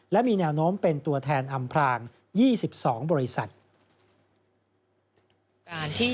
และมีแนวโน้มเป็นตัวแทนอำพราง๒๒บริษัท